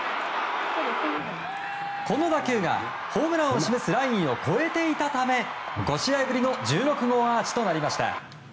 この打球がホームランを示すラインを越えていたため５試合ぶりの１６号アーチとなりました。